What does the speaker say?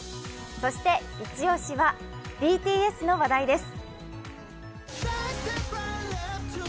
そしてイチ押しはＢＴＳの話題です。